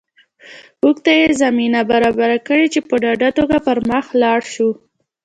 موږ ته یې زمینه برابره کړې چې په ډاډه توګه پر مخ لاړ شو